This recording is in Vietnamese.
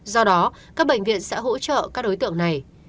do đó các bệnh viện sẽ hỗ trợ các đối tượng này